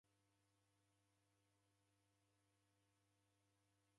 Kwaidwa na malagho